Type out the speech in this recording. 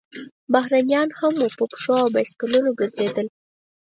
بهرنیان هم وو، په پښو او بایسکلونو ګرځېدل.